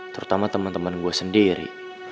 terutama temen temen gue sendiri